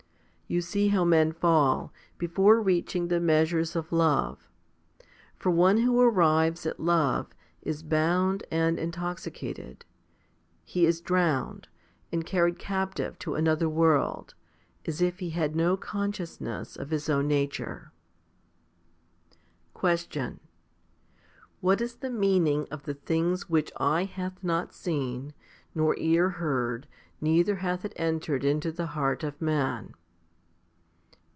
You see how men fall, before reaching the measures of charity. For one who arrives at charity is bound and intoxicated ; he is drowned, and carried captive to another world, as if he had no consciousness of his own nature. 17. Question. What is the meaning of the things which eye hath not seen, nor ear heard, neither hath it entered into the heart of man